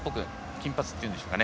金髪というんでしょうか。